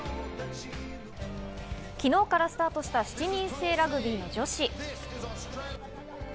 昨日からスタートした７人制ラグビーの女子。